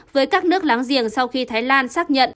với các nước láng giềng sau khi thái lan xác nhận